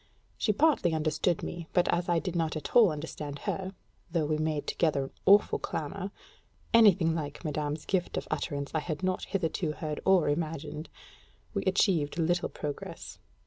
She partly understood me, but as I did not at all understand her though we made together an awful clamor (anything like madame's gift of utterance I had not hitherto heard or imagined) we achieved little progress.